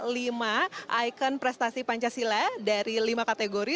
lima ikon prestasi pancasila dari lima kategori